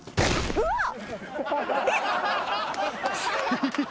うわっ！